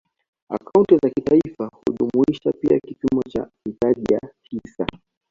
Akaunti za kitaifa hujumuisha pia kipimo cha mitaji ya hisa